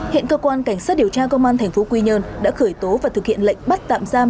hiện cơ quan cảnh sát điều tra công an tp quy nhơn đã khởi tố và thực hiện lệnh bắt tạm giam